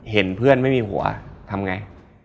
เห็นเพื่อนไม่มีหัวทำไง